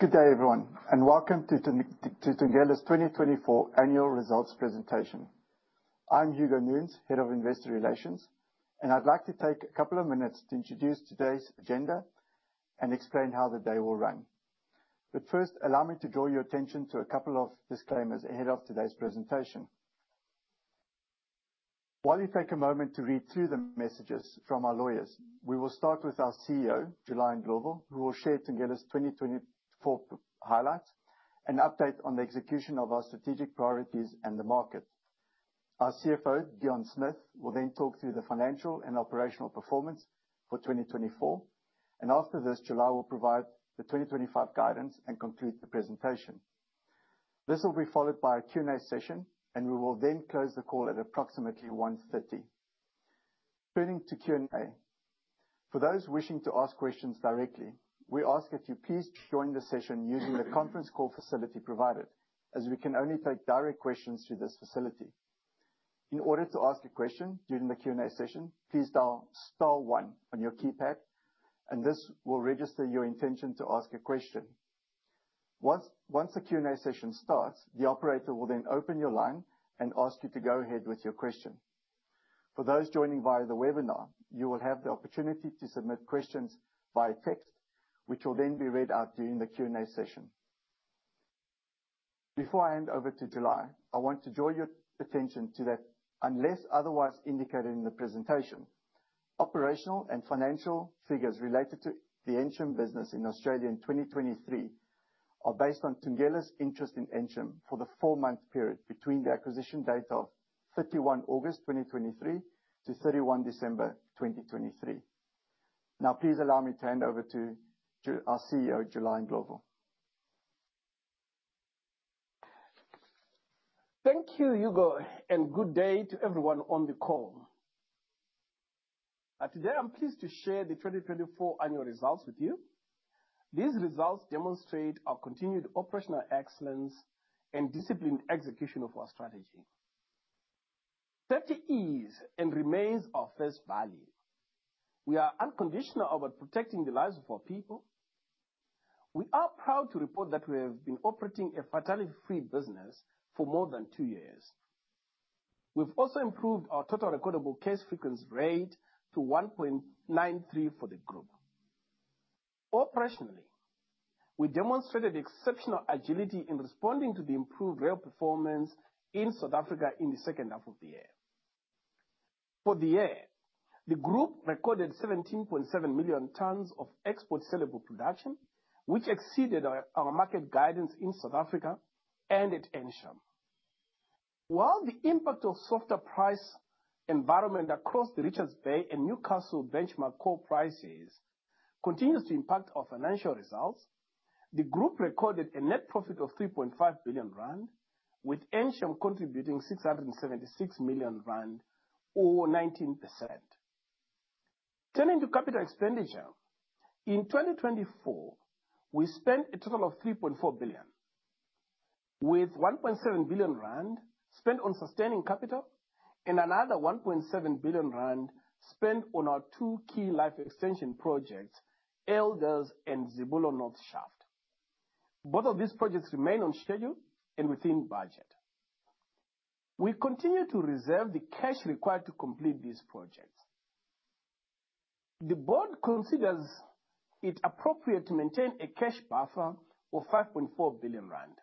Good day, everyone, and welcome to Thungela's 2024 Annual Results Presentation. I'm Hugo Nunes, Head of Investor Relations, and I'd like to take a couple of minutes to introduce today's agenda and explain how the day will run. First, allow me to draw your attention to a couple of disclaimers ahead of today's presentation. While you take a moment to read through the messages from our lawyers, we will start with our CEO, July Ndlovu, who will share Thungela's 2024 highlights and update on the execution of our strategic priorities and the market. Our CFO, Deon Smith, will then talk through the financial and operational performance for 2024, and after this, July will provide the 2025 guidance and conclude the presentation. This will be followed by a Q&A session, and we will then close the call at approximately 1:30 P.M. Turning to Q&A, for those wishing to ask questions directly, we ask that you please join the session using the conference call facility provided, as we can only take direct questions through this facility. In order to ask a question during the Q&A session, please dial one on your keypad, and this will register your intention to ask a question. Once the Q&A session starts, the operator will then open your line and ask you to go ahead with your question. For those joining via the webinar, you will have the opportunity to submit questions via text, which will then be read out during the Q&A session. Before I hand over to July, I want to draw your attention to that, unless otherwise indicated in the presentation, operational and financial figures related to the Ensham Business in Australia in 2023 are based on Thungela's interest in Ensham for the four-month period between the acquisition date of August 31st, 2023 to December 31st, 2023. Now, please allow me to hand over to our CEO, July Ndlovu. Thank you, Hugo, and good day to everyone on the call. Today, I'm pleased to share the 2024 Annual Results with you. These results demonstrate our continued operational excellence and disciplined execution of our strategy. Safety and remains our first value. We are unconditional about protecting the lives of our people. We are proud to report that we have been operating a fatality-free business for more than two years. We've also improved our Total Recordable Case Frequency rate to 1.93 for the group. Operationally, we demonstrated exceptional agility in responding to the improved rail performance in South Africa in the second half of the year. For the year, the group recorded 17.7 million tons of export saleable production, which exceeded our market guidance in South Africa and at Ensham. While the impact of softer price environment across the Richards Bay and Newcastle benchmark coal prices continues to impact our financial results, the group recorded a net profit of 3.5 billion rand, with Ensham contributing 676 million rand, or 19%. Turning to capital expenditure, in 2024, we spent a total of 3.4 billion, with 1.7 billion rand spent on sustaining capital and another 1.7 billion rand spent on our two key life extension projects, Elders and Zibulo North Shaft. Both of these projects remain on schedule and within budget. We continue to reserve the cash required to complete these projects. The board considers it appropriate to maintain a cash buffer of 5.4 billion rand.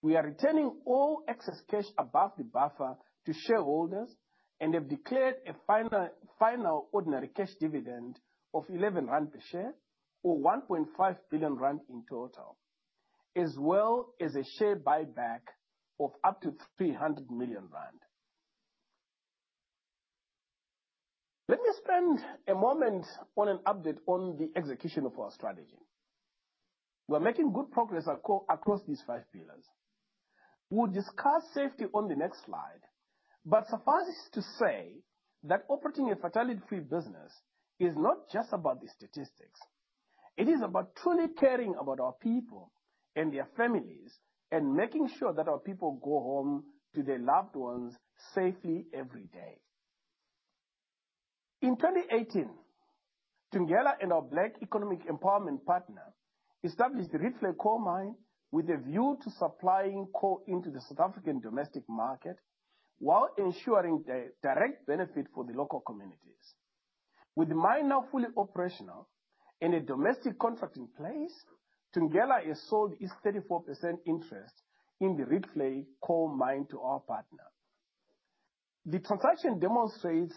We are returning all excess cash above the buffer to shareholders and have declared a final ordinary cash dividend of 11 rand per share, or 1.5 billion rand in total, as well as a share buyback of up to 300 million rand. Let me spend a moment on an update on the execution of our strategy. We're making good progress across these five pillars. We'll discuss safety on the next slide, but suffice it to say that operating a fatality-free business is not just about the statistics. It is about truly caring about our people and their families and making sure that our people go home to their loved ones safely every day. In 2018, Thungela and our Black Economic Empowerment Partner established the Rietvlei Coal Mine with a view to supplying coal into the South African domestic market while ensuring direct benefit for the local communities. With the mine now fully operational and a domestic contract in place, Thungela has sold its 34% interest in the Rietvlei Coal Mine to our partner. The transaction demonstrates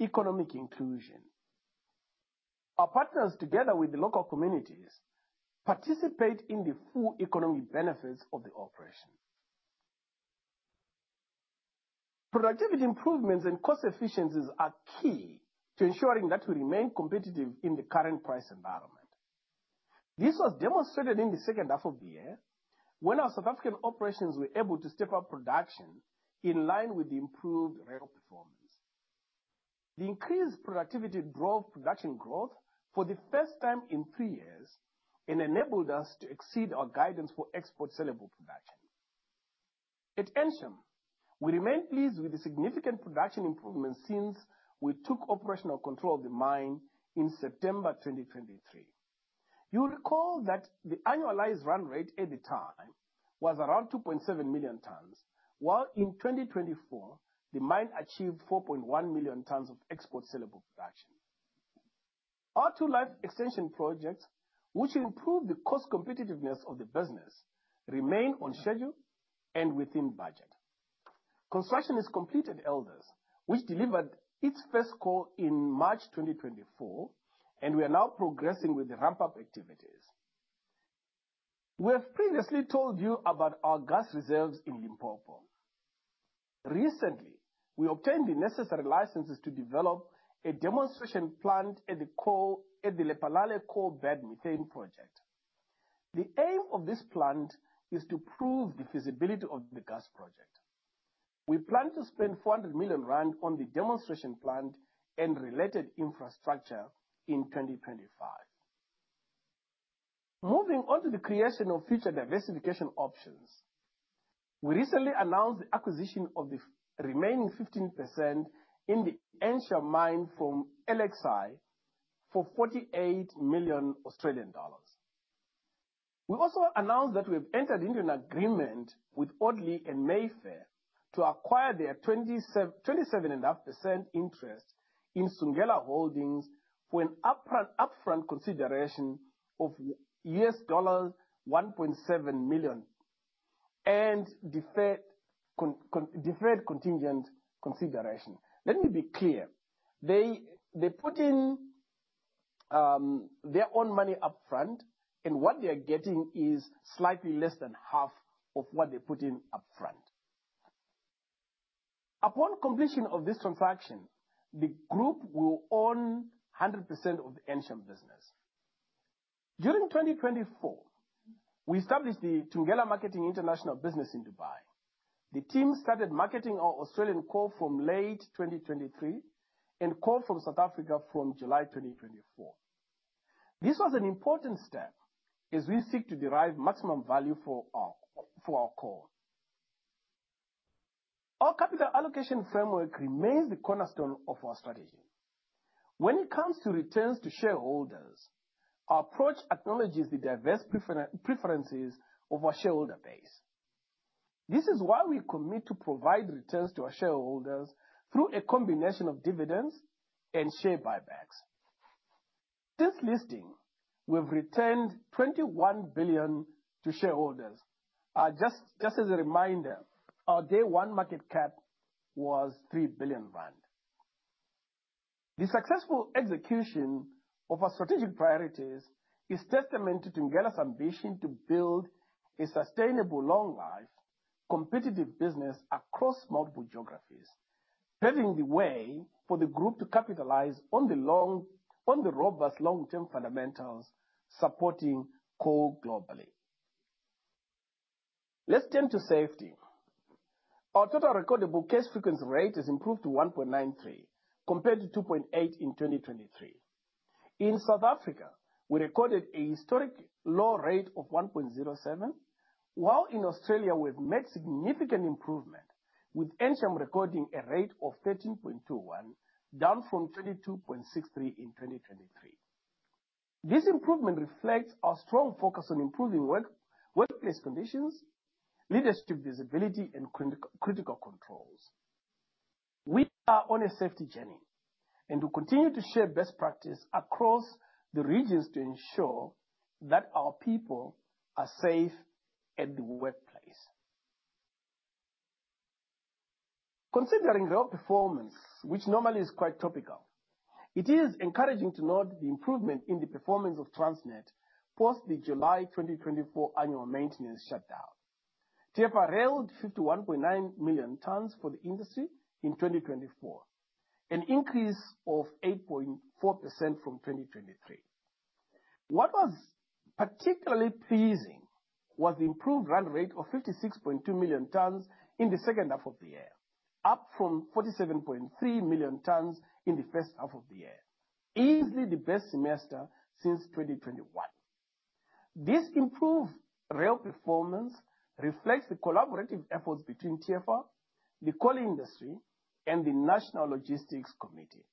economic inclusion. Our partners, together with the local communities, participate in the full economic benefits of the operation. Productivity improvements and cost efficiencies are key to ensuring that we remain competitive in the current price environment. This was demonstrated in the second half of the year when our South African operations were able to step up production in line with the improved rail performance. The increased productivity drove production growth for the first time in three years and enabled us to exceed our guidance for export sellable production. At Ensham, we remain pleased with the significant production improvements since we took operational control of the mine in September 2023. You'll recall that the annualized run rate at the time was around 2.7 million tons, while in 2024, the mine achieved 4.1 million tons of export sellable production. Our two life extension projects, which improved the cost competitiveness of the business, remain on schedule and within budget. Construction is complete at Elders, which delivered its first coal in March 2024, and we are now progressing with the ramp-up activities. We have previously told you about our gas reserves in Limpopo. Recently, we obtained the necessary licenses to develop a demonstration plant at the Lephalale Coal Bed Methane Project. The aim of this plant is to prove the feasibility of the gas project. We plan to spend 400 million rand on the demonstration plant and related infrastructure in 2025. Moving on to the creation of future diversification options, we recently announced the acquisition of the remaining 15% in the Ensham mine from LXI for 48 million Australian dollars. We also announced that we have entered into an agreement with Audley and Mayfair to acquire their 27.5% interest in Sungela Holdings for an upfront consideration of $1.7 million and deferred contingent consideration. Let me be clear. They put in their own money upfront, and what they are getting is slightly less than half of what they put in upfront. Upon completion of this transaction, the group will own 100% of the Ensham business. During 2024, we established the Thungela Marketing International business in Dubai. The team started marketing our Australian coal from late 2023 and coal from South Africa from July 2024. This was an important step as we seek to derive maximum value for our coal. Our capital allocation framework remains the cornerstone of our strategy. When it comes to returns to shareholders, our approach acknowledges the diverse preferences of our shareholder base. This is why we commit to provide returns to our shareholders through a combination of dividends and share buybacks. Since listing, we've returned 21 billion to shareholders. Just as a reminder, our day-one market cap was 3 billion rand. The successful execution of our strategic priorities is testament to Thungela's ambition to build a sustainable, long-life, competitive business across multiple geographies, paving the way for the group to capitalize on the robust long-term fundamentals supporting coal globally. Let's turn to safety. Our Total Recordable Case Frequency Rate has improved to 1.93 compared to 2.8 in 2023. In South Africa, we recorded a historic low rate of 1.07, while in Australia, we've made significant improvement, with Ensham recording a rate of 13.21, down from 22.63 in 2023. This improvement reflects our strong focus on improving workplace conditions, leadership visibility, and critical controls. We are on a safety journey and will continue to share best practices across the regions to ensure that our people are safe at the workplace. Considering rail performance, which normally is quite topical, it is encouraging to note the improvement in the performance of Transnet Freight Rail post the July 2024 annual maintenance shutdown. Transnet Freight Rail railed 51.9 million tons for the industry in 2024, an increase of 8.4% from 2023. What was particularly pleasing was the improved run rate of 56.2 million tons in the second half of the year, up from 47.3 million tons in the first half of the year, easily the best semester since 2021. This improved rail performance reflects the collaborative efforts between Transnet Freight Rail, the coal industry, and the National Logistics Committee.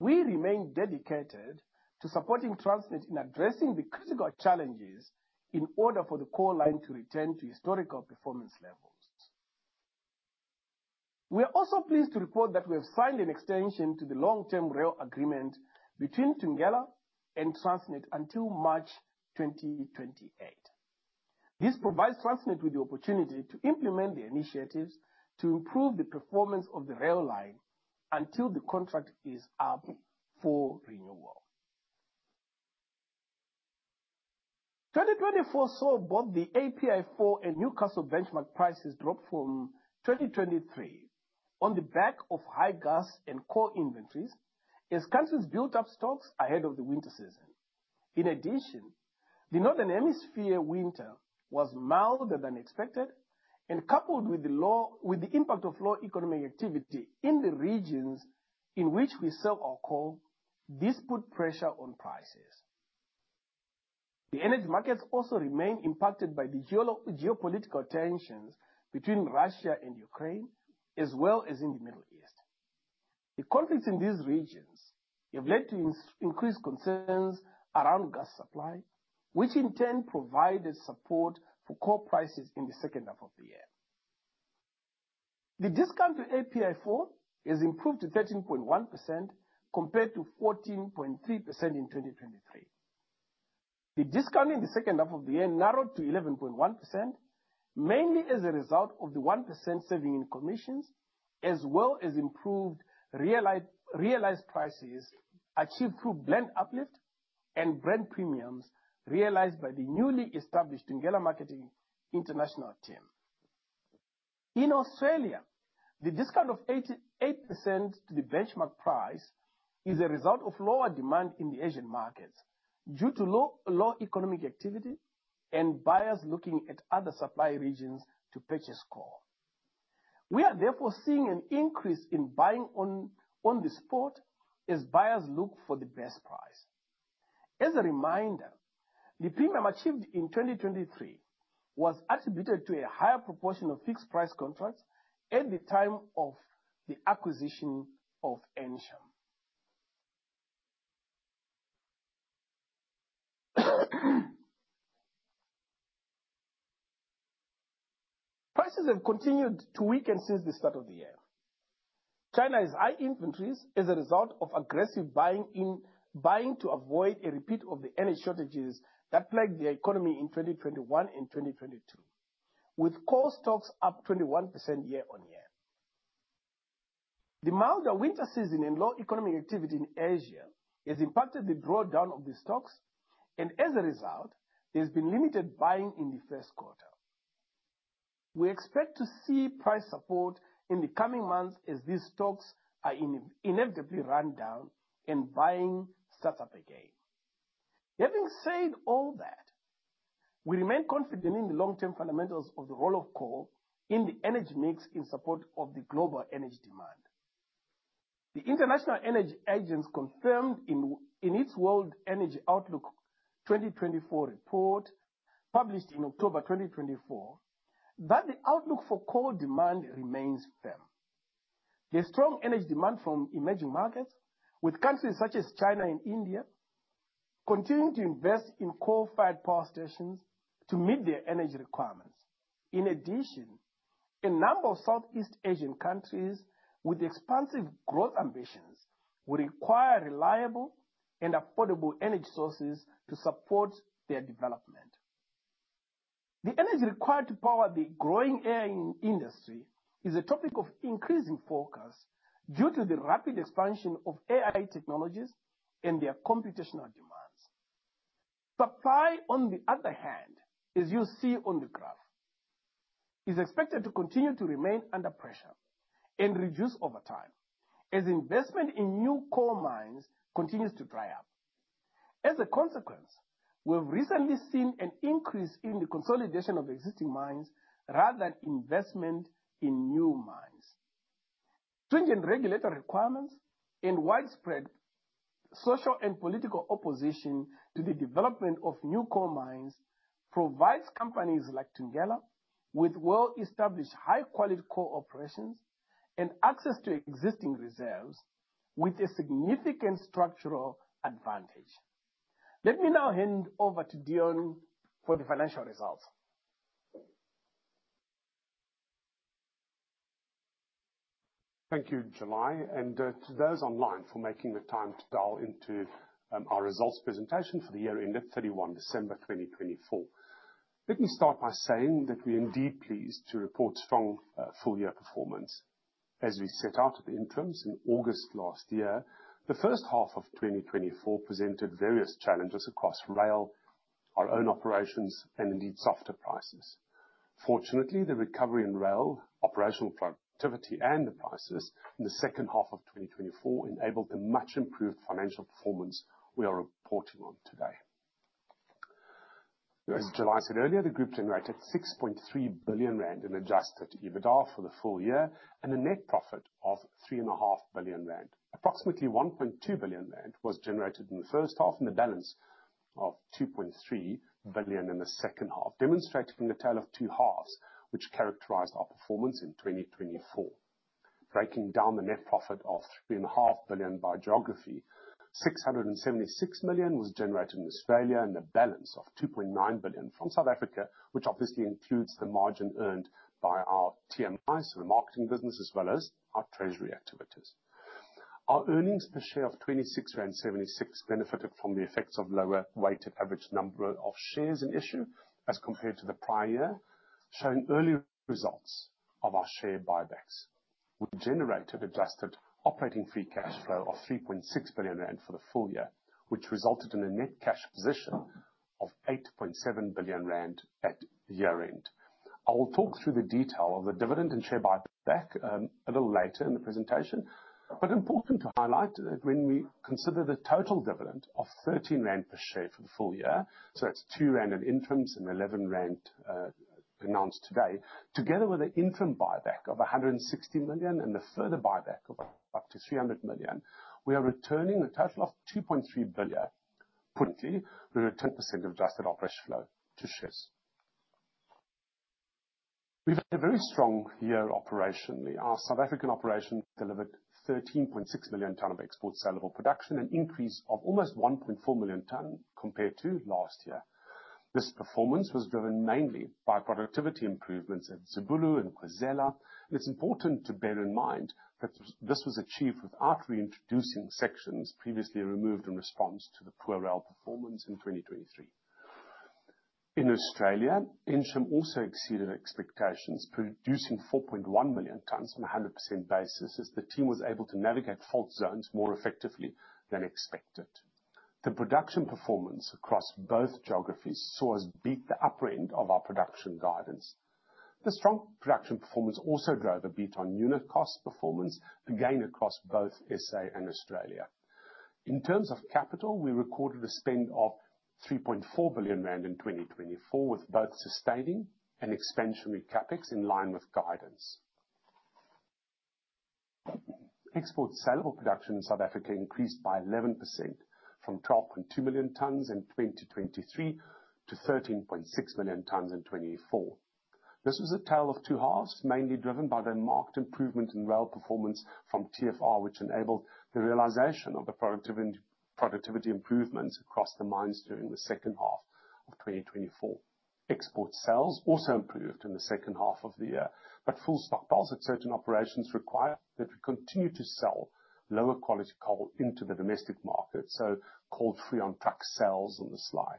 We remain dedicated to supporting Transnet in addressing the critical challenges in order for the coal line to return to historical performance levels. We are also pleased to report that we have signed an extension to the long-term rail agreement between Thungela and Transnet until March 2028. This provides Transnet with the opportunity to implement the initiatives to improve the performance of the rail line until the contract is up for renewal. 2024 saw both the API 4 and Newcastle benchmark prices drop from 2023 on the back of high gas and coal inventories as countries built up stocks ahead of the winter season. In addition, the northern hemisphere winter was milder than expected, and coupled with the impact of low economic activity in the regions in which we sell our coal, this put pressure on prices. The energy markets also remain impacted by the geopolitical tensions between Russia and Ukraine, as well as in the Middle East. The conflicts in these regions have led to increased concerns around gas supply, which in turn provided support for coal prices in the second half of the year. The discount to API 4 has improved to 13.1% compared to 14.3% in 2023. The discount in the second half of the year narrowed to 11.1%, mainly as a result of the 1% saving in commissions, as well as improved realized prices achieved through blend uplift and brand premiums realized by the newly established Thungela Marketing International team. In Australia, the discount of 8% to the benchmark price is a result of lower demand in the Asian markets due to low economic activity and buyers looking at other supply regions to purchase coal. We are therefore seeing an increase in buying on the spot as buyers look for the best price. As a reminder, the premium achieved in 2023 was attributed to a higher proportion of fixed price contracts at the time of the acquisition of Ensham. Prices have continued to weaken since the start of the year. China has high inventories as a result of aggressive buying to avoid a repeat of the energy shortages that plagued the economy in 2021 and 2022, with coal stocks up 21% year on year. The milder winter season and low economic activity in Asia has impacted the drawdown of the stocks, and as a result, there has been limited buying in the first quarter. We expect to see price support in the coming months as these stocks are inevitably run down and buying starts up again. Having said all that, we remain confident in the long-term fundamentals of the role of coal in the energy mix in support of the global energy demand. The International Energy Agency confirmed in its World Energy Outlook 2024 report published in October 2024 that the outlook for coal demand remains firm. There's strong energy demand from emerging markets, with countries such as China and India continuing to invest in coal-fired power stations to meet their energy requirements. In addition, a number of Southeast Asian countries with expansive growth ambitions will require reliable and affordable energy sources to support their development. The energy required to power the growing AI industry is a topic of increasing focus due to the rapid expansion of AI technologies and their computational demands. Supply, on the other hand, as you see on the graph, is expected to continue to remain under pressure and reduce over time as investment in new coal mines continues to dry up. As a consequence, we've recently seen an increase in the consolidation of existing mines rather than investment in new mines. Stringent regulatory requirements and widespread social and political opposition to the development of new coal mines provides companies like Thungela with well-established, high-quality coal operations and access to existing reserves, with a significant structural advantage. Let me now hand over to Deon for the financial results. Thank you, July, and to those online for making the time to dial into our results presentation for the year-end of 31 December 2024. Let me start by saying that we are indeed pleased to report strong Full-Year performance. As we set out at the interims in August last year, the first half of 2024 presented various challenges across rail, our own operations, and indeed softer prices. Fortunately, the recovery in rail operational productivity and the prices in the second half of 2024 enabled a much-improved financial performance we are reporting on today. As July said earlier, the group generated 6.3 billion rand in adjusted EBITDA for the Full Year and a net profit of 3.5 billion rand. Approximately 1.2 billion rand was generated in the first half and a balance of 2.3 billion in the second half, demonstrating a tale of two halves, which characterized our performance in 2024. Breaking down the net profit of 3.5 billion by geography, 676 million was generated in Australia and a balance of 2.9 billion from South Africa, which obviously includes the margin earned by our TMI, so the marketing business, as well as our treasury activities. Our earnings per share of 26.76 benefited from the effects of lower weighted average number of shares in issue as compared to the prior year, showing early results of our share buybacks. We generated adjusted operating free cash flow of 3.6 billion rand for the full year, which resulted in a net cash position of 8.7 billion rand at year-end. I will talk through the detail of the dividend and share buyback a little later in the presentation, but important to highlight that when we consider the total dividend of 13 rand per share for the full year, so that's 2 rand at interims and 11 rand announced today, together with an interim buyback of 160 million and the further buyback of up to 300 million, we are returning a total of 2.3 billion. We returned 10% of adjusted operational flow to shares. We've had a very strong year operationally. Our South African operation delivered 13.6 million ton of export saleable production, an increase of almost 1.4 million ton compared to last year. This performance was driven mainly by productivity improvements at Zibulo and Khwezela. It's important to bear in mind that this was achieved without reintroducing sections previously removed in response to the poor rail performance in 2023. In Australia, Ensham also exceeded expectations, producing 4.1 million tons on a 100% basis as the team was able to navigate fault zones more effectively than expected. The production performance across both geographies saw us beat the upper end of our production guidance. The strong production performance also drove a beat on unit cost performance, again across both South Africa and Australia. In terms of capital, we recorded a spend of 3.4 billion rand in 2024, with both sustaining and expansionary capex in line with guidance. Export saleable production in South Africa increased by 11% from 12.2 million tons in 2023 to 13.6 million tons in 2024. This was a tale of two halves, mainly driven by the marked improvement in rail performance from Transnet Freight Rail, which enabled the realization of the productivity improvements across the mines during the second half of 2024. Export sales also improved in the second half of the year, but full stockpiles at certain operations required that we continue to sell lower quality coal into the domestic market, so coal Free on Truck sales on the slide.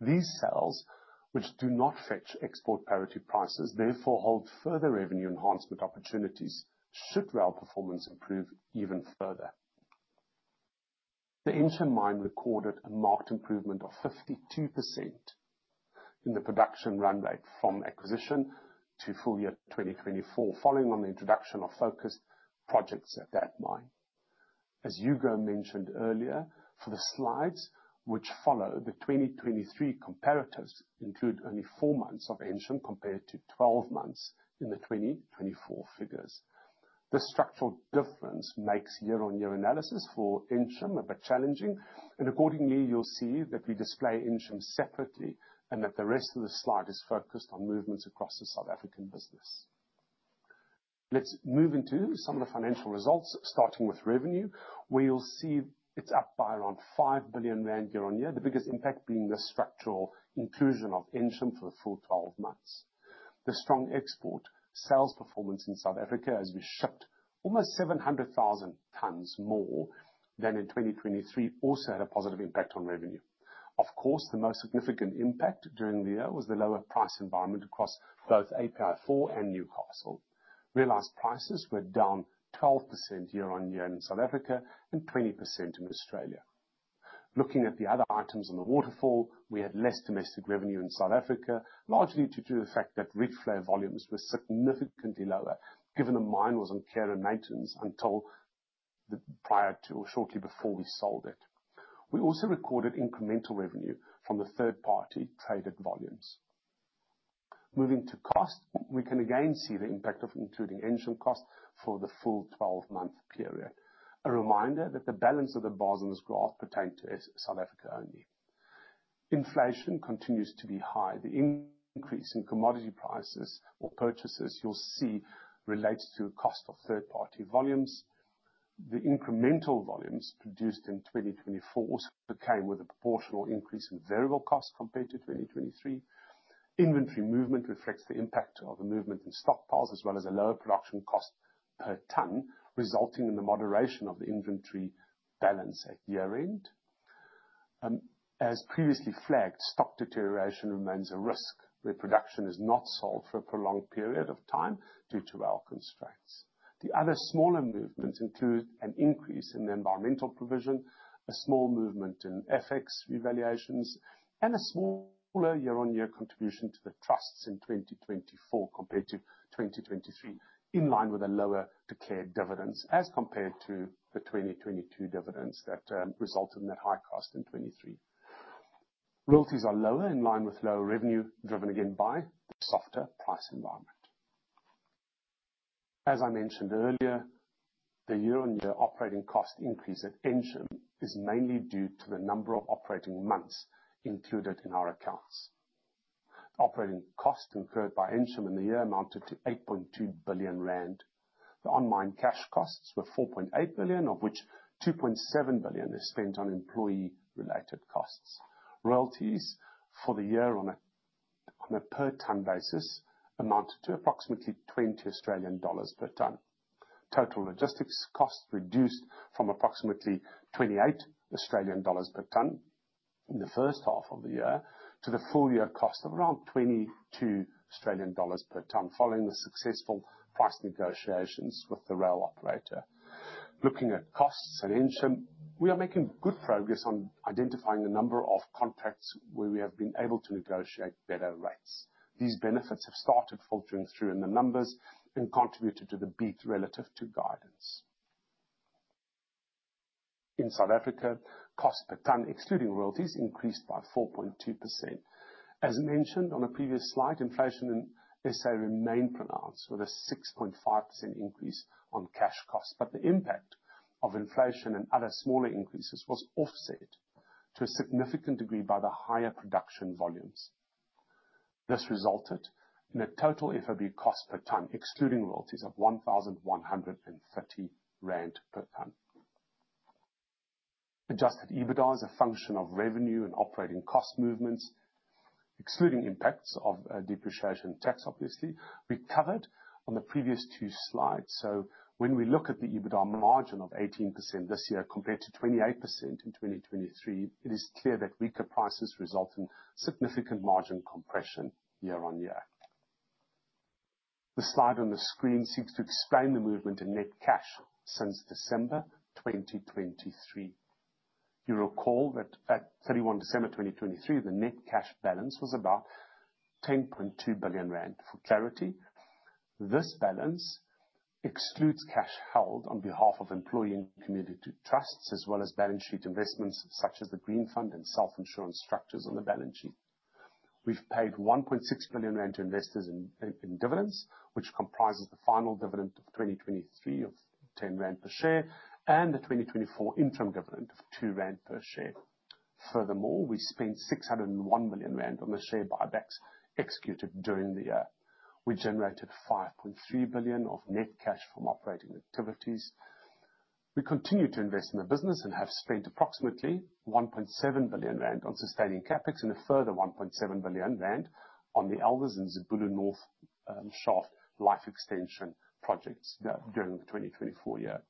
These sales, which do not fetch export parity prices, therefore hold further revenue enhancement opportunities should rail performance improve even further. The Ensham mine recorded a marked improvement of 52% in the production run rate from acquisition to full year 2024, following on the introduction of focused projects at that mine. As Hugo mentioned earlier, for the slides which follow, the 2023 comparatives include only four months of Ensham compared to 12 months in the 2024 figures. This structural difference makes year-on-year analysis for Ensham a bit challenging, and accordingly, you'll see that we display Ensham separately and that the rest of the slide is focused on movements across the South African business. Let's move into some of the financial results, starting with revenue, where you'll see it's up by around 5 billion rand year-on-year, the biggest impact being the structural inclusion of Ensham for the full 12 months. The strong export sales performance in South Africa, as we shipped almost 700,000 tons more than in 2023, also had a positive impact on revenue. Of course, the most significant impact during the year was the lower price environment across both API 4 and Newcastle. Realized prices were down 12% year-on-year in South Africa and 20% in Australia. Looking at the other items on the waterfall, we had less domestic revenue in South Africa, largely due to the fact that Rietvlei volumes were significantly lower given the mine was on care and maintenance until prior to or shortly before we sold it. We also recorded incremental revenue from the third-party traded volumes. Moving to cost, we can again see the impact of including Ensham cost for the full 12-month period. A reminder that the balance of the bars in this graph pertain to South Africa only. Inflation continues to be high. The increase in commodity prices or purchases you'll see relates to the cost of third-party volumes. The incremental volumes produced in 2024 also came with a proportional increase in variable costs compared to 2023. Inventory movement reflects the impact of the movement in stockpiles, as well as a lower production cost per ton, resulting in the moderation of the inventory balance at year-end. As previously flagged, stock deterioration remains a risk where production is not sold for a prolonged period of time due to rail constraints. The other smaller movements include an increase in the environmental provision, a small movement in FX revaluations, and a smaller year-on-year contribution to the trusts in 2024 compared to 2023, in line with a lower declared dividends as compared to the 2022 dividends that resulted in that high cost in 2023. Royalties are lower in line with lower revenue driven again by the softer price environment. As I mentioned earlier, the year-on-year operating cost increase at Ensham is mainly due to the number of operating months included in our accounts. The operating cost incurred by Ensham in the year amounted to 8.2 billion rand. The on-mine cash costs were 4.8 billion, of which 2.7 billion is spent on employee-related costs. Royalties for the year on a per-ton basis amounted to approximately 20 Australian dollars per ton. Total logistics costs reduced from approximately 28 Australian dollars per ton in the first half of the year to the full year cost of around 22 Australian dollars per ton, following the successful price negotiations with the rail operator. Looking at costs at Ensham, we are making good progress on identifying a number of contracts where we have been able to negotiate better rates. These benefits have started filtering through in the numbers and contributed to the beat relative to guidance. In South Africa, cost per ton, excluding royalties, increased by 4.2%. As mentioned on a previous slide, inflation in SA remained pronounced with a 6.5% increase on cash costs, but the impact of inflation and other smaller increases was offset to a significant degree by the higher production volumes. This resulted in a total FOB cost per ton, excluding royalties, of 1,130 rand per ton. Adjusted EBITDA is a function of revenue and operating cost movements, excluding impacts of depreciation tax, obviously. We covered on the previous two slides. When we look at the EBITDA margin of 18% this year compared to 28% in 2023, it is clear that weaker prices result in significant margin compression year-on-year. The slide on the screen seeks to explain the movement in net cash since December 2023. You recall that at December 31st, 2023, the net cash balance was about 10.2 billion rand. For clarity, this balance excludes cash held on behalf of employee and community trusts, as well as balance sheet investments such as the Green Fund and self-insurance structures on the balance sheet. We've paid 1.6 billion rand to investors in dividends, which comprises the final dividend of 2023 of 10 rand per share and the 2024 interim dividend of 2 rand per share. Furthermore, we spent 601 million rand on the share buybacks executed during the year. We generated 5.3 billion of net cash from operating activities. We continue to invest in the business and have spent approximately 1.7 billion rand on sustaining capex and a further 1.7 billion rand on the Elders and Zibulo North Shaft life extension projects during the 2024 year.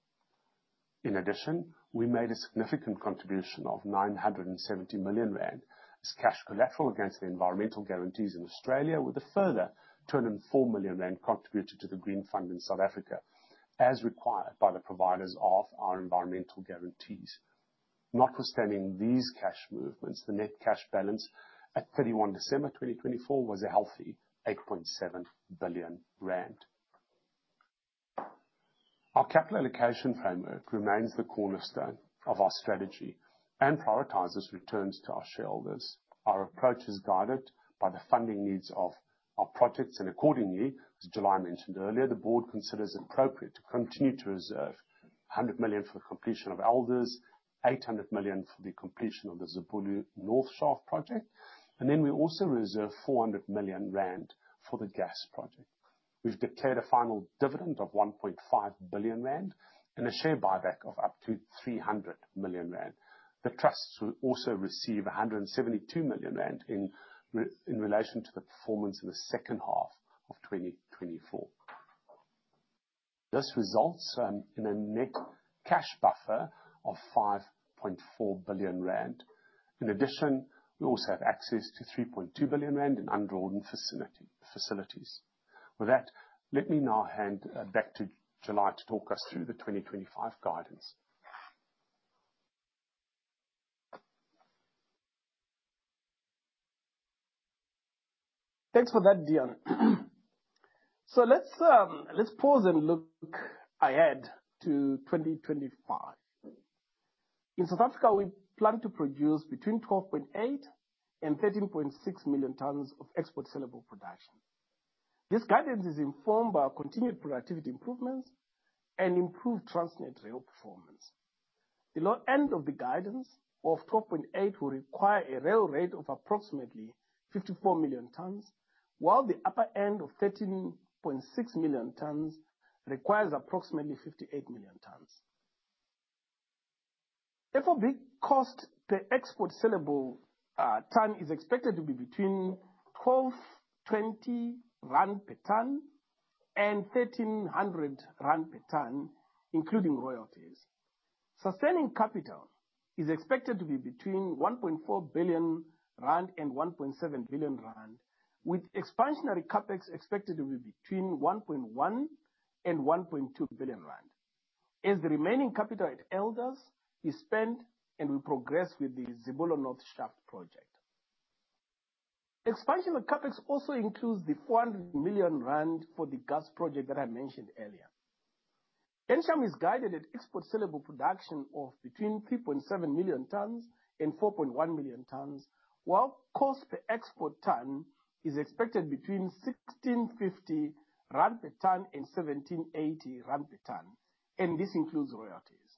In addition, we made a significant contribution of 970 million rand as cash collateral against the environmental guarantees in Australia, with a further 204 million rand contributed to the Green Fund in South Africa, as required by the providers of our environmental guarantees. Notwithstanding these cash movements, the net cash balance at 31 December 2024 was a healthy 8.7 billion rand. Our capital allocation framework remains the cornerstone of our strategy and prioritizes returns to our shareholders. Our approach is guided by the funding needs of our projects, and accordingly, as July mentioned earlier, the board considers appropriate to continue to reserve 100 million for the completion of Elders, 800 million for the completion of the Zibulo North Shaft project, and then we also reserve 400 million rand for the gas project. We've declared a final dividend of 1.5 billion rand and a share buyback of up to 300 million rand. The trusts will also receive 172 million rand in relation to the performance in the second half of 2024. This results in a net cash buffer of 5.4 billion rand. In addition, we also have access to 3.2 billion rand in undrawn facilities. With that, let me now hand back to July to talk us through the 2025 guidance. Thanks for that, Deon. Let's pause and look ahead to 2025. In South Africa, we plan to produce between 12.8-13.6 million tons of export saleable production. This guidance is informed by continued productivity improvements and improved Transnet rail performance. The low end of the guidance of 12.8 will require a rail rate of approximately 54 million tons, while the upper end of 13.6 million tons requires approximately 58 million tons. FOB cost per export saleable ton is expected to be between ZAR 1,220 per ton and 1,300 rand per ton, including royalties. Sustaining capital is expected to be between 1.4 billion rand and 1.7 billion rand, with expansionary capex expected to be between 1.1 billion and 1.2 billion rand, as the remaining capital at Elders is spent and will progress with the Zibulo North Shaft project. Expansionary capex also includes the 400 million rand for the gas project that I mentioned earlier. Ensham is guided at export saleable production of between 3.7 million tons and 4.1 million tons, while cost per export ton is expected between 1,650 rand per ton and 1,780 rand per ton, and this includes royalties.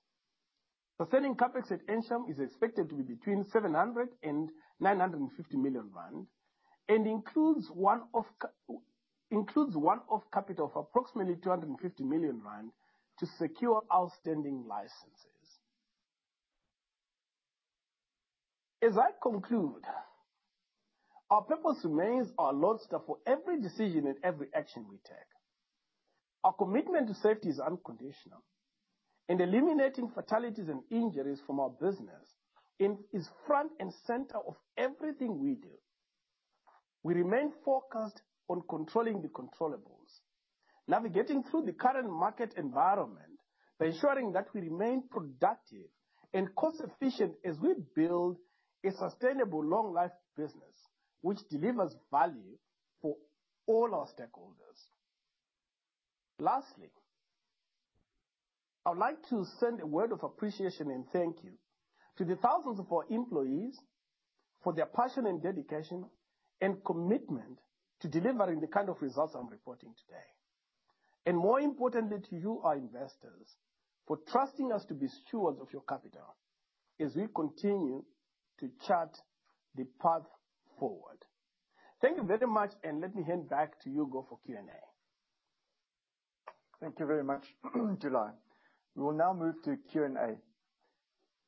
Sustaining CapEx at Ensham is expected to be between 700 million and 950 million rand, and includes one-off capital of approximately 250 million rand to secure outstanding licenses. As I conclude, our purpose remains our lodge that for every decision and every action we take. Our commitment to safety is unconditional, and eliminating fatalities and injuries from our business is front and center of everything we do. We remain focused on controlling the controllables, navigating through the current market environment, ensuring that we remain productive and cost-efficient as we build a sustainable long-life business which delivers value for all our stakeholders. Lastly, I would like to send a word of appreciation and thank you to the thousands of our employees for their passion and dedication and commitment to delivering the kind of results I'm reporting today. More importantly, to you, our investors, for trusting us to be stewards of your capital as we continue to chart the path forward. Thank you very much, and let me hand back to Hugo for Q&A. Thank you very much, July. We will now move to Q&A.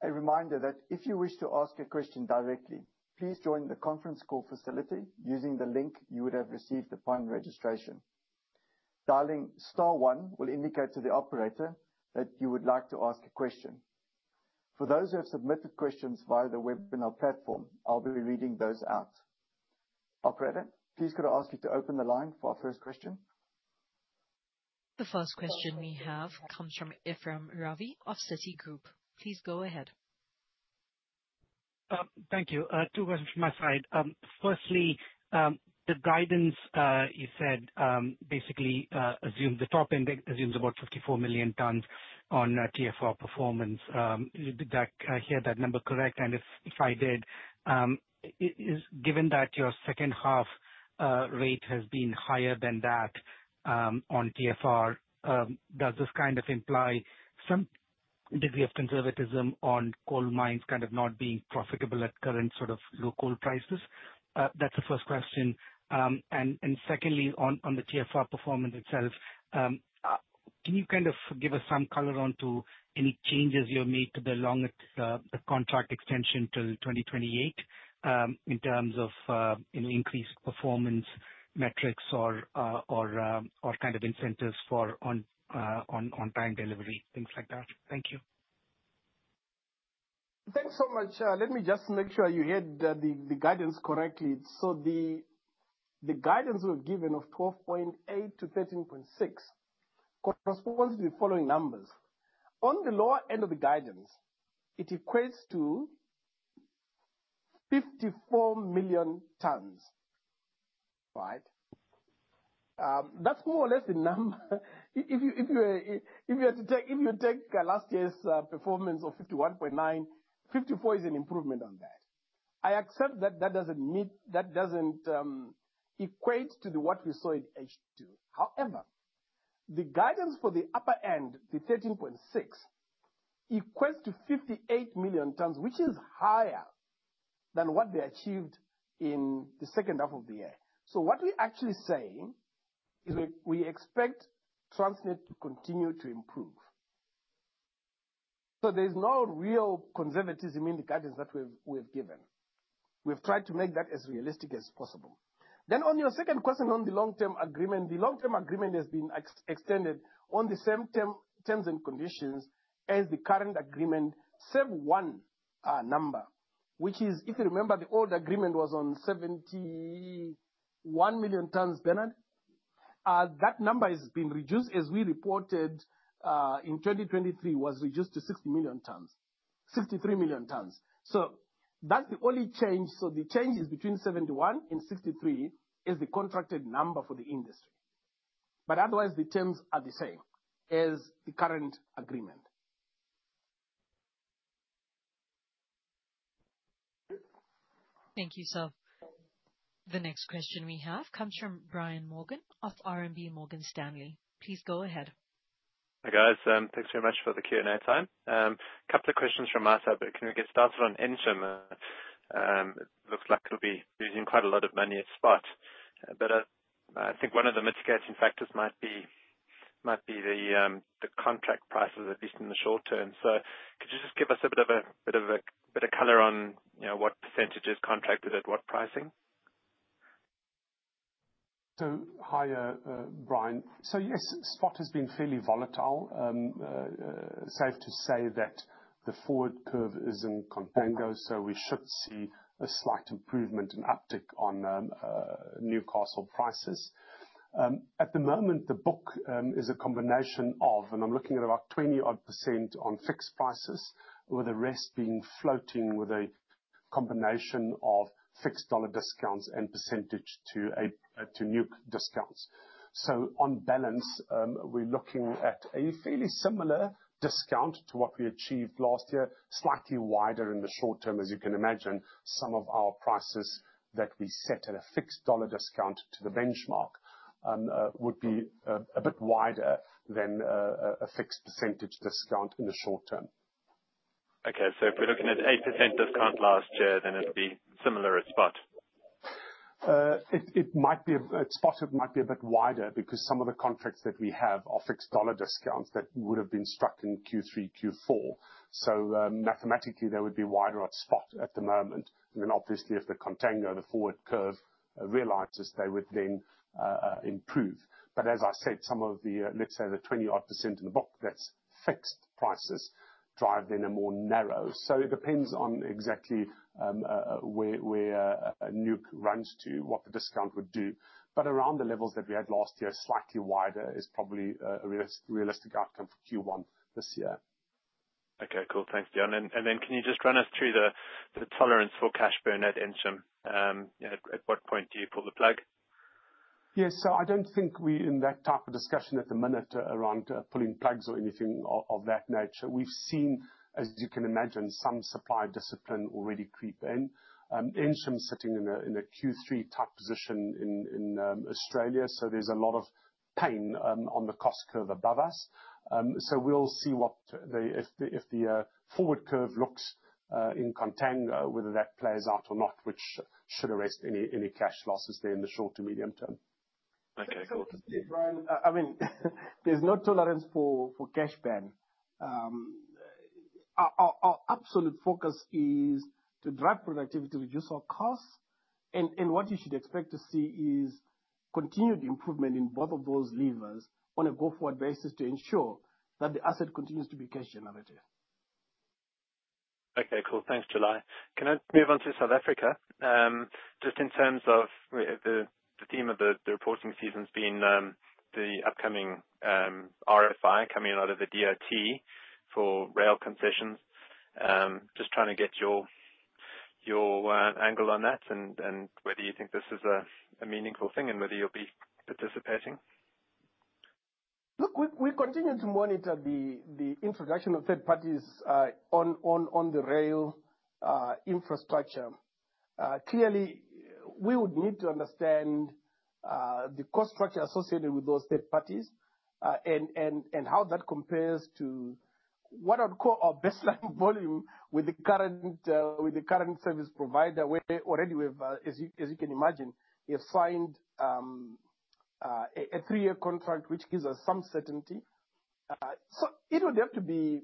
A reminder that if you wish to ask a question directly, please join the conference call facility using the link you would have received upon registration. Dialing star one will indicate to the operator that you would like to ask a question. For those who have submitted questions via the webinar platform, I'll be reading those out. Operator, please could I ask you to open the line for our first question? The first question we have comes from Ephrem Ravi of Citigroup. Please go ahead. Thank you. Two questions from my side. Firstly, the guidance you said basically assumes the top end assumes about 54 million tons on TFR performance. Did I hear that number correct? If I did, given that your second-half rate has been higher than that on TFR, does this kind of imply some degree of conservatism on coal mines kind of not being profitable at current sort of low coal prices? That's the first question. Secondly, on the TFR performance itself, can you kind of give us some color onto any changes you have made to the contract extension till 2028 in terms of increased performance metrics or kind of incentives for on-time delivery, things like that? Thank you. Thanks so much. Let me just make sure you heard the guidance correctly. The guidance we've given of 12.8-13.6 corresponds to the following numbers. On the lower end of the guidance, it equates to 54 million tons, right? That's more or less the number. If you take last year's performance of 51.9, 54 is an improvement on that. I accept that that doesn't equate to what we saw in H2. However, the guidance for the upper end, the 13.6, equates to 58 million tons, which is higher than what they achieved in the second half of the year. What we actually say is we expect Transnet to continue to improve. There's no real conservatism in the guidance that we've given. We've tried to make that as realistic as possible. On your second question on the long-term agreement, the long-term agreement has been extended on the same terms and conditions as the current agreement, save one number, which is, if you remember, the old agreement was on 71 million tons, per annum. That number has been reduced, as we reported in 2023, was reduced to 60 million tons, 63 million tons. That's the only change. The change is between 71 and 63 is the contracted number for the industry. Otherwise, the terms are the same as the current agreement. Thank you, so. The next question we have comes from Brian Morgan of RMB Morgan Stanley. Please go ahead. Hi guys. Thanks very much for the Q&A time. A couple of questions from our side, but can we get started on Ensham? It looks like it'll be losing quite a lot of money at spot. I think one of the mitigating factors might be the contract prices, at least in the short term. Could you just give us a bit of a color on what percentage is contracted at what pricing? Hi there, Brian. Yes, spot has been fairly volatile. Safe to say that the forward curve is in contango, so we should see a slight improvement and uptick on new costs or prices. At the moment, the book is a combination of, and I'm looking at about 20-odd % on fixed prices, with the rest being floating with a combination of fixed dollar discounts and percentage to new discounts. On balance, we're looking at a fairly similar discount to what we achieved last year, slightly wider in the short term, as you can imagine. Some of our prices that we set at a fixed dollar discount to the benchmark would be a bit wider than a fixed percentage discount in the short term. Okay. If we're looking at 8% discount last year, then it'll be similar at spot? It might be at spot, it might be a bit wider because some of the contracts that we have are fixed dollar discounts that would have been struck in Q3, Q4. Mathematically, they would be wider at spot at the moment. Obviously, if the contango, the forward curve realizes, they would then improve. As I said, some of the, let's say, the 20-odd % in the book, that's fixed prices drive then a more narrow. It depends on exactly where NEWC runs to, what the discount would do. Around the levels that we had last year, slightly wider is probably a realistic outcome for Q1 this year. Okay, cool. Thanks, Deon. Can you just run us through the tolerance for cash burn at Ensham? At what point do you pull the plug? Yes. I don't think we're in that type of discussion at the minute around pulling plugs or anything of that nature. We've seen, as you can imagine, some supply discipline already creep in. Ensham's sitting in a Q3-type position in Australia, so there's a lot of pain on the cost curve above us. We'll see what the, if the forward curve looks in contango, whether that plays out or not, which should arrest any cash losses there in the short to medium term. Okay, cool. I mean, there's no tolerance for cash burn. Our absolute focus is to drive productivity, reduce our costs, and what you should expect to see is continued improvement in both of those levers on a go-forward basis to ensure that the asset continues to be cash generative. Okay, cool. Thanks, July. Can I move on to South Africa? Just in terms of the theme of the reporting season's been the upcoming RFI coming out of the DOT for rail concessions. Just trying to get your angle on that and whether you think this is a meaningful thing and whether you'll be participating. Look, we continue to monitor the introduction of third parties on the rail infrastructure. Clearly, we would need to understand the cost structure associated with those third parties and how that compares to what I'd call our baseline volume with the current service provider. Already, as you can imagine, we have signed a three-year contract, which gives us some certainty. It would have to be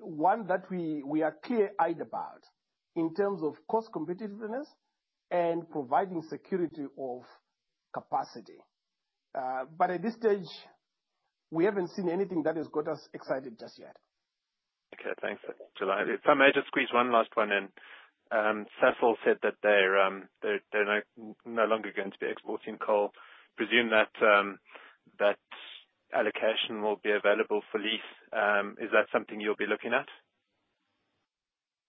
one that we are clear-eyed about in terms of cost competitiveness and providing security of capacity. At this stage, we haven't seen anything that has got us excited just yet. Okay, thanks, July. If I may just squeeze one last one in. Sasol said that they're no longer going to be exporting coal. Presume that allocation will be available for lease. Is that something you'll be looking at?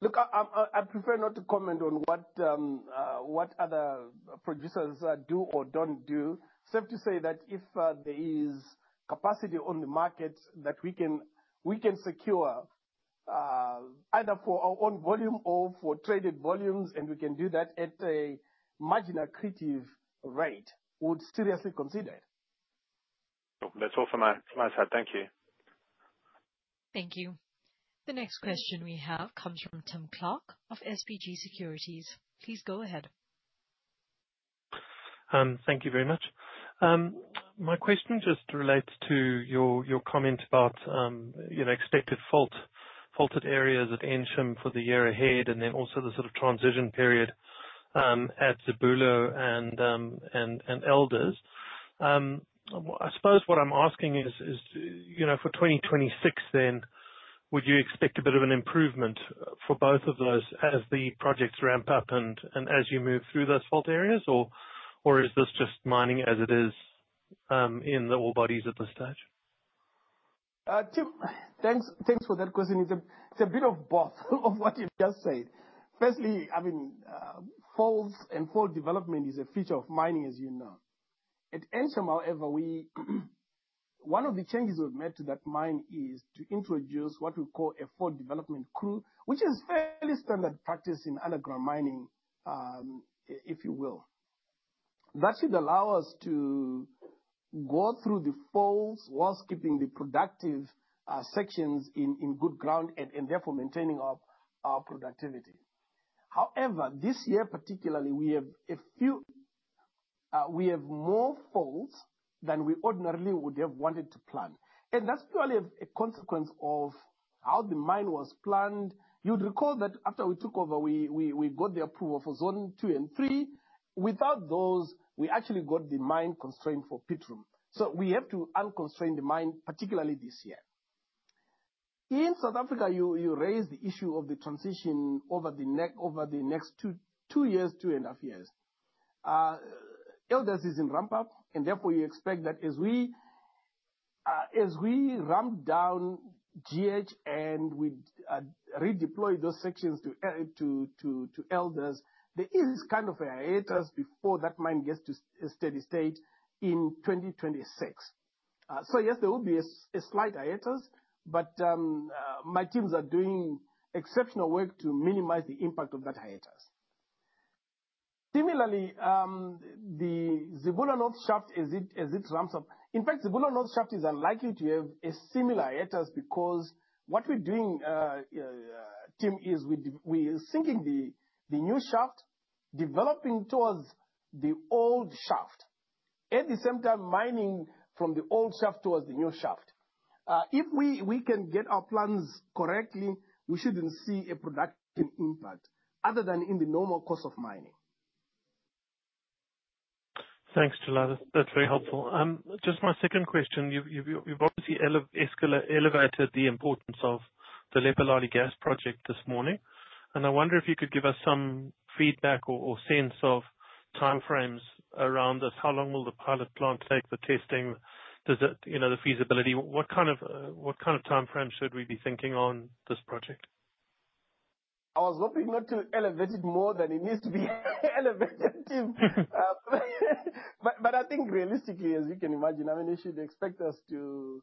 Look, I prefer not to comment on what other producers do or don't do. Safe to say that if there is capacity on the market that we can secure either for our own volume or for traded volumes, and we can do that at a marginal creative rate, we would seriously consider it. That's all from my side. Thank you. Thank you. The next question we have comes from Tim Clark of SBG Securities. Please go ahead. Thank you very much. My question just relates to your comment about expected faulted areas at Ensham for the year ahead and then also the sort of transition period at Zibulo and Elders. I suppose what I'm asking is, for 2026 then, would you expect a bit of an improvement for both of those as the projects ramp up and as you move through those fault areas, or is this just mining as it is in the ore bodies at this stage? Tim, thanks for that question. It's a bit of both of what you just said. Firstly, I mean, faults and fault development is a feature of mining, as you know. At Ensham, however, one of the changes we've made to that mine is to introduce what we call a fault development crew, which is fairly standard practice in underground mining, if you will. That should allow us to go through the faults whilst keeping the productive sections in good ground and therefore maintaining our productivity. However, this year particularly, we have more faults than we ordinarily would have wanted to plan. That is purely a consequence of how the mine was planned. You'd recall that after we took over, we got the approval for zone two and three. Without those, we actually got the mine constrained for pit room. We have to unconstrain the mine, particularly this year. In South Africa, you raise the issue of the transition over the next two years, two and a half years. Elders is in ramp-up, and therefore you expect that as we ramp down GH and we redeploy those sections to Elders, there is kind of a hiatus before that mine gets to steady state in 2026. Yes, there will be a slight hiatus, but my teams are doing exceptional work to minimize the impact of that hiatus. Similarly, the Zibulo North Shaft, as it ramps up, in fact, Zibulo North Shaft is unlikely to have a similar hiatus because what we're doing, Tim, is we're sinking the new shaft, developing towards the old shaft, at the same time mining from the old shaft towards the new shaft. If we can get our plans correctly, we shouldn't see a productive impact other than in the normal cost of mining. Thanks, July. That's very helpful. Just my second question. You've obviously elevated the importance of the Lephalale Gas Project this morning. I wonder if you could give us some feedback or sense of timeframes around this. How long will the pilot plant take for testing? Does it, you know, the feasibility? What kind of timeframe should we be thinking on this project? I was hoping not to elevate it more than it needs to be elevated, Tim. I think realistically, as you can imagine, I mean, you should expect us to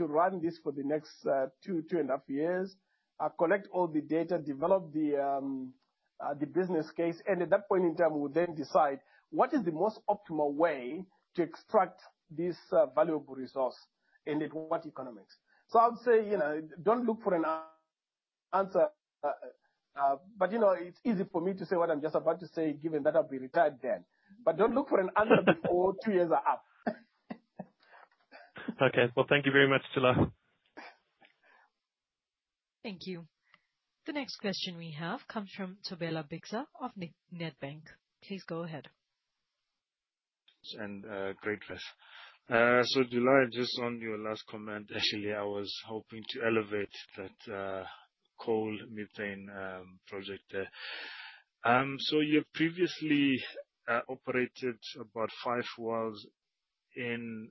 run this for the next two and a half years, collect all the data, develop the business case, and at that point in time, we'll then decide what is the most optimal way to extract this valuable resource and at what economics. I would say, you know, don't look for an answer. You know, it's easy for me to say what I'm just about to say, given that I'll be retired then. Don't look for an answer before two years are up. Thank you very much, July. Thank you. The next question we have comes from Thobela Bixa of Nedbank. Please go ahead. Great rest. July, just on your last comment, actually, I was hoping to elevate that coal methane project there. You previously operated about five wells in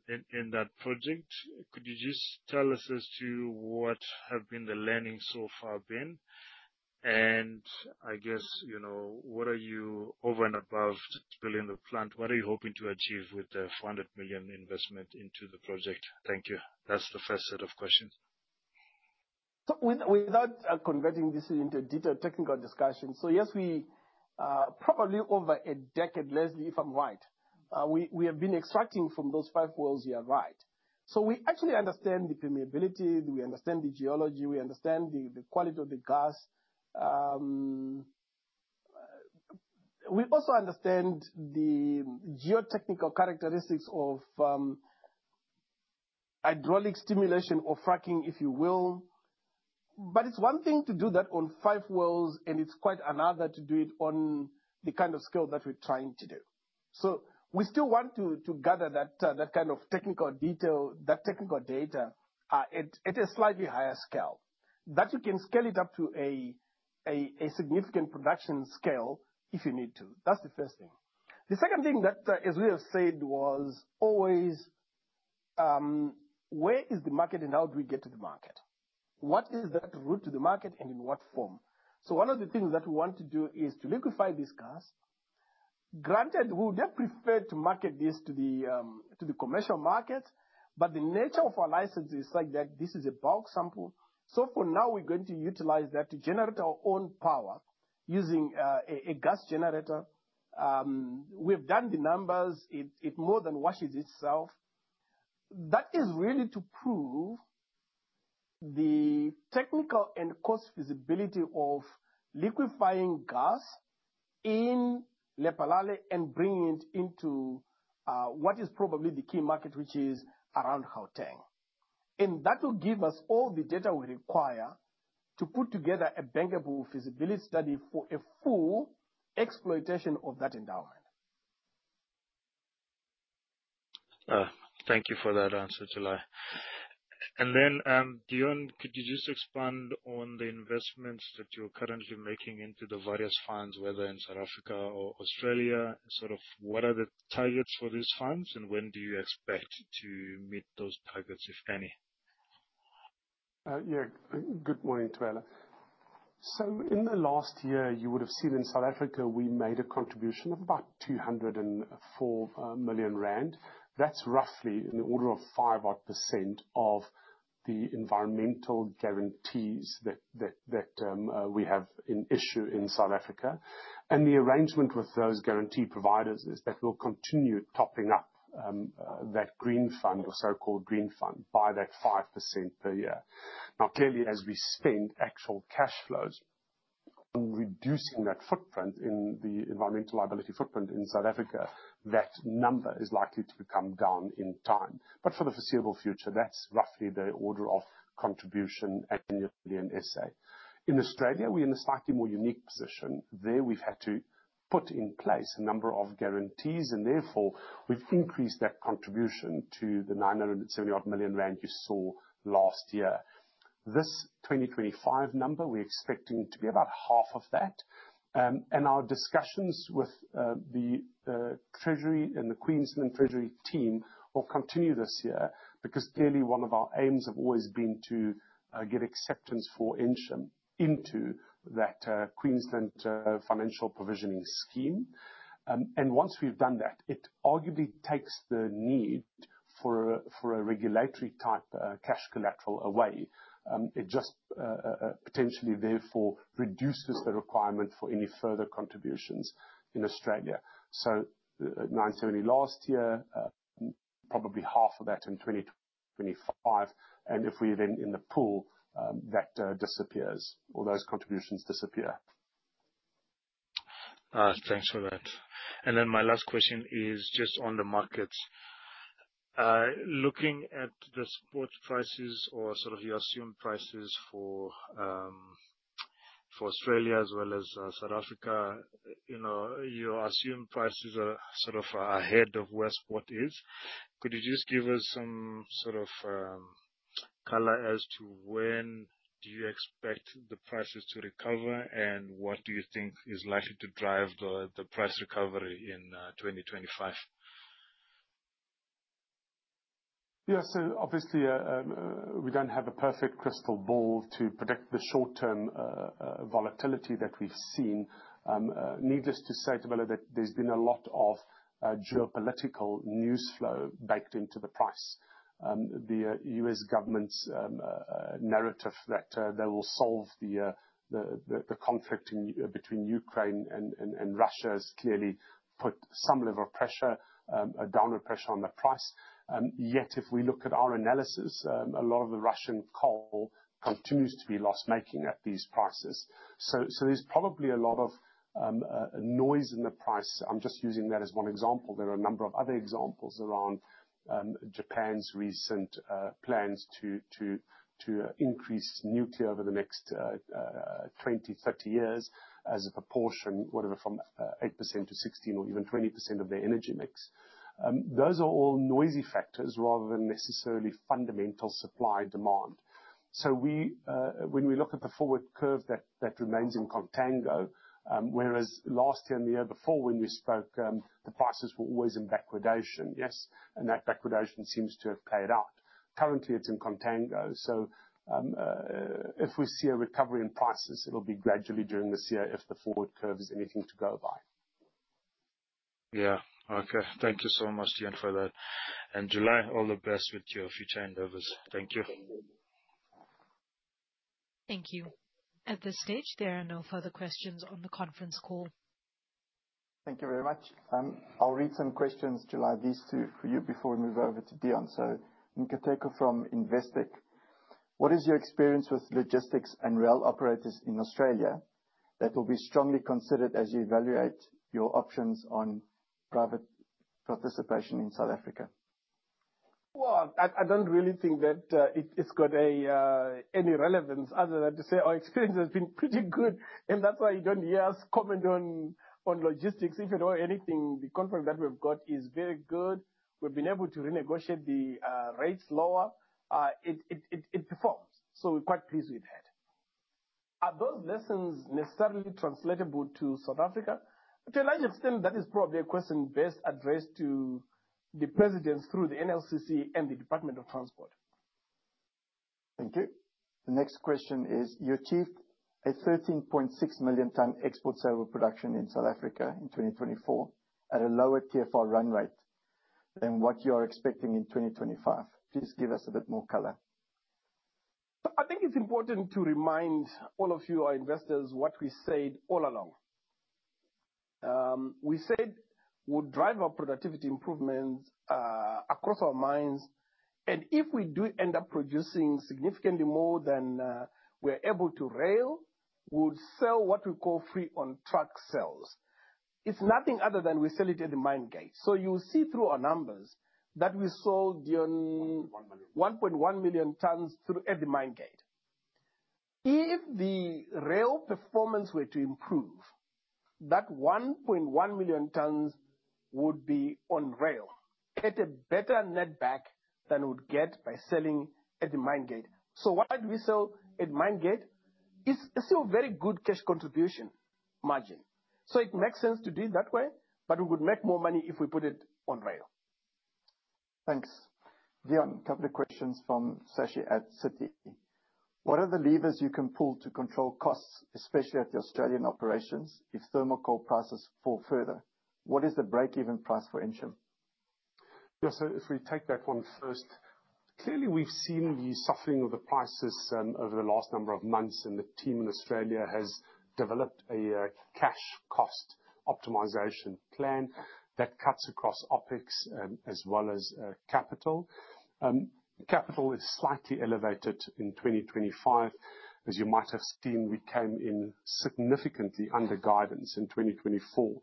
that project. Could you just tell us as to what have been the learnings so far been? I guess, you know, what are you over and above to build in the plant? What are you hoping to achieve with the $400 million investment into the project? Thank you. That's the first set of questions. Without converting this into a detailed technical discussion, yes, we probably over a decade, Leslie, if I'm right, we have been extracting from those five wells here, right? We actually understand the permeability, we understand the geology, we understand the quality of the gas. We also understand the geotechnical characteristics of hydraulic stimulation or fracking, if you will. It's one thing to do that on five wells, and it's quite another to do it on the kind of scale that we're trying to do. We still want to gather that kind of technical detail, that technical data at a slightly higher scale, that you can scale it up to a significant production scale if you need to. That's the first thing. The second thing that, as we have said, was always where is the market and how do we get to the market? What is that route to the market and in what form? One of the things that we want to do is to liquefy this gas. Granted, we would have preferred to market this to the commercial market, but the nature of our license is such that this is a bulk sample. For now, we're going to utilize that to generate our own power using a gas generator. We have done the numbers. It more than washes itself. That is really to prove the technical and cost feasibility of liquefying gas in Lephalale and bringing it into what is probably the key market, which is around Hotazel. That will give us all the data we require to put together a bankable feasibility study for a full exploitation of that endowment. Thank you for that answer, July. Deon, could you just expand on the investments that you're currently making into the various funds, whether in South Africa or Australia? Sort of what are the targets for these funds and when do you expect to meet those targets, if any? Good morning, Thobela. In the last year, you would have seen in South Africa, we made a contribution of about 204 million rand. That is roughly in the order of 5-odd % of the environmental guarantees that we have in issue in South Africa. The arrangement with those guarantee providers is that we'll continue topping up that green fund, or so-called green fund, by that 5% per year. Now, clearly, as we spend actual cash flows, reducing that footprint in the environmental liability footprint in South Africa, that number is likely to come down in time. For the foreseeable future, that's roughly the order of contribution annually in South Africa. In Australia, we're in a slightly more unique position. There, we've had to put in place a number of guarantees, and therefore, we've increased that contribution to the 970 million rand you saw last year. This 2025 number, we're expecting to be about half of that. Our discussions with the Treasury and the Queensland Treasury team will continue this year because clearly, one of our aims has always been to get acceptance for Ensham into that Queensland financial provisioning scheme. Once we've done that, it arguably takes the need for a regulatory type cash collateral away. It just potentially, therefore, reduces the requirement for any further contributions in Australia. So 970 last year, probably half of that in 2025. If we're then in the pool, that disappears or those contributions disappear. Thanks for that. My last question is just on the markets. Looking at the spot prices or sort of your assumed prices for Australia as well as South Africa, your assumed prices are sort of ahead of where spot is. Could you just give us some sort of color as to when you expect the prices to recover and what you think is likely to drive the price recovery in 2025? Yeah. Obviously, we don't have a perfect crystal ball to predict the short-term volatility that we've seen. Needless to say, Thobela, that there's been a lot of geopolitical news flow baked into the price. The U.S. government's narrative that they will solve the conflict between Ukraine and Russia has clearly put some level of pressure, a downward pressure on the price. Yet, if we look at our analysis, a lot of the Russian coal continues to be loss-making at these prices. There's probably a lot of noise in the price. I'm just using that as one example. There are a number of other examples around Japan's recent plans to increase nuclear over the next 20-30 years as a proportion, whatever, from 8% to 16% or even 20% of their energy mix. Those are all noisy factors rather than necessarily fundamental supply demand. When we look at the forward curve that remains in contango, whereas last year and the year before, when we spoke, the prices were always in backwardation, yes, and that backwardation seems to have played out. Currently, it's in contango. If we see a recovery in prices, it'll be gradually during this year if the forward curve is anything to go by. Yeah. Okay. Thank you so much, Deon, for that. And July, all the best with your future endeavors. Thank you. Thank you. At this stage, there are no further questions on the conference call. Thank you very much. I'll read some questions, July, these two for you before we move over to Deon. Nkateko from Investec. What is your experience with logistics and rail operators in Australia that will be strongly considered as you evaluate your options on private participation in South Africa? I don't really think that it's got any relevance other than to say our experience has been pretty good, and that's why you don't hear us comment on logistics. If you know anything, the contract that we've got is very good. We've been able to renegotiate the rates lower. It performs. We are quite pleased with that. Are those lessons necessarily translatable to South Africa? To a large extent, that is probably a question best addressed to the presidents through the NLCC and the Department of Transport. Thank you. The next question is, you achieved a 13.6 million ton export saleable production in South Africa in 2024 at a lower TFR run rate than what you are expecting in 2025. Please give us a bit more color. I think it's important to remind all of you our investors what we said all along. We said we'll drive our productivity improvements across our mines. If we do end up producing significantly more than we're able to rail, we'll sell what we call free-on-track sales. It's nothing other than we sell it at the mine gate. You'll see through our numbers that we sold 1.1 million tons at the mine gate. If the rail performance were to improve, that 1.1 million tons would be on rail at a better netback than we'd get by selling at the mine gate. Why did we sell at mine gate? It's still a very good cash contribution margin. It makes sense to do it that way, but we would make more money if we put it on rail. Thanks. Deon, a couple of questions from Sashi at Citi. What are the levers you can pull to control costs, especially at the Australian operations if thermal coal prices fall further? What is the break-even price for Ensham? Yeah. If we take that one first, clearly, we've seen the softening of the prices over the last number of months, and the team in Australia has developed a cash cost optimization plan that cuts across OpEx as well as capital. Capital is slightly elevated in 2025. As you might have seen, we came in significantly under guidance in 2024.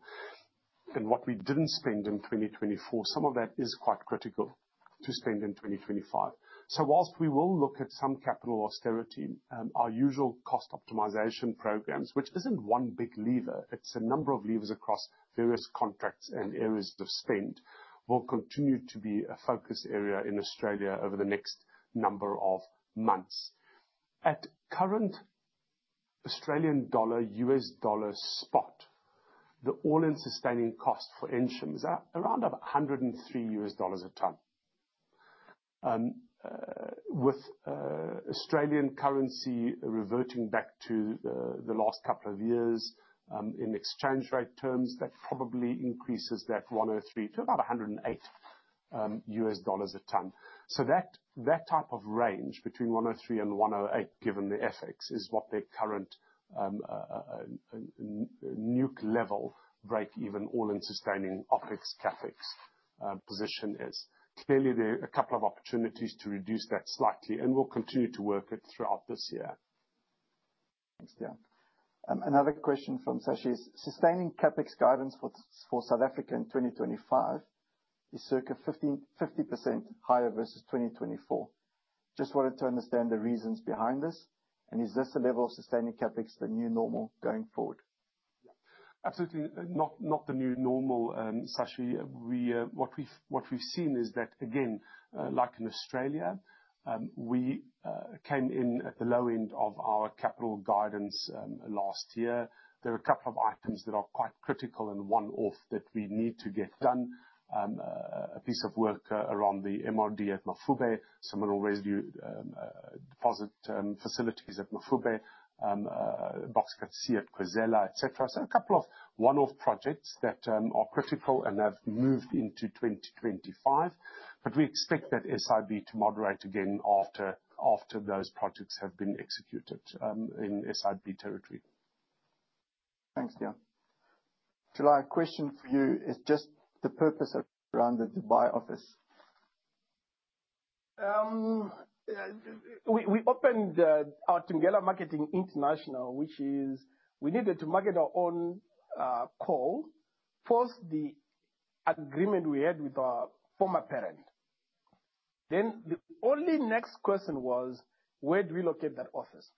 What we didn't spend in 2024, some of that is quite critical to spend in 2025. Whilst we will look at some capital austerity, our usual cost optimization programs, which is not one big lever, it is a number of levers across various contracts and areas of spend, will continue to be a focus area in Australia over the next number of months. At current Australian dollar-US dollar spot, the all-in sustaining cost for Ensham is around $103 a ton. With Australian currency reverting back to the last couple of years in exchange rate terms, that probably increases that $103 to about $108 a ton. That type of range between $103 and $108, given the FX, is what their current NEWC level break-even all-in sustaining OpEx-CapEx position is. Clearly, there are a couple of opportunities to reduce that slightly, and we will continue to work it throughout this year. Thanks, Deon. Another question from Sashi is, sustaining CapEx guidance for South Africa in 2025 is circa 50% higher versus 2024. Just wanted to understand the reasons behind this. Is this a level of sustaining CapEx, the new normal going forward? Absolutely not the new normal, Sashi. What we've seen is that, again, like in Australia, we came in at the low end of our capital guidance last year. There are a couple of items that are quite critical and one-off that we need to get done. A piece of work around the MRD at Mafube, some mineral residue deposit facilities at Mafube, Box Cut C at Khwezela, etc. A couple of one-off projects that are critical and have moved into 2025. We expect that SIB to moderate again after those projects have been executed in SIB territory. Thanks, Deon. July, a question for you is just the purpose around the Dubai office. We opened our Thungela Marketing International, which is we needed to market our own coal post the agreement we had with our former parent. The only next question was, where do we locate that office?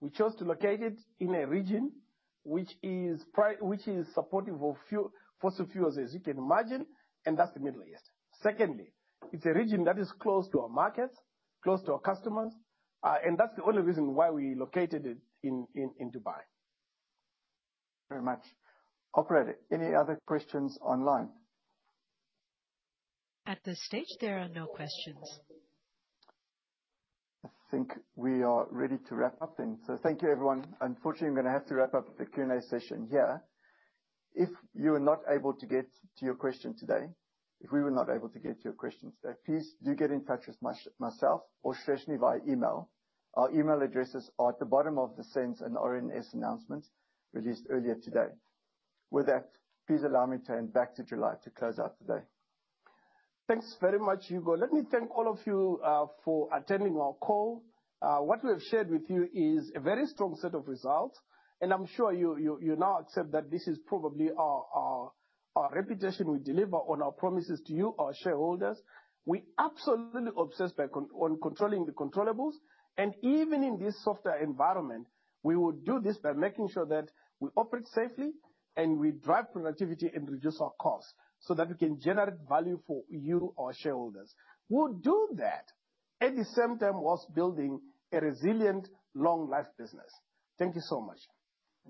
We chose to locate it in a region which is supportive of fossil fuels, as you can imagine, and that is the Middle East. Secondly, it is a region that is close to our markets, close to our customers. That is the only reason why we located it in Dubai. Very much. Operator, any other questions online? At this stage, there are no questions. I think we are ready to wrap up then. Thank you, everyone. Unfortunately, I am going to have to wrap up the Q&A session here. If you are not able to get to your question today, if we were not able to get to your question today, please do get in touch with myself or Shreshini via email. Our email addresses are at the bottom of the SENS and RNS announcements released earlier today. With that, please allow me to hand back to July to close out today. Thanks very much, Hugo. Let me thank all of you for attending our call. What we have shared with you is a very strong set of results. I am sure you now accept that this is probably our reputation. We deliver on our promises to you, our shareholders. We're absolutely obsessed on controlling the controllables, and even in this softer environment, we will do this by making sure that we operate safely and we drive productivity and reduce our costs so that we can generate value for you, our shareholders. We'll do that at the same time whilst building a resilient, long-life business. Thank you so much.